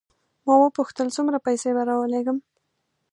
ما وپوښتل څومره پیسې به راولېږم.